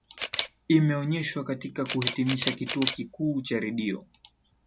imeonyeshwa katika kuhitimisha kituo kikuu cha redio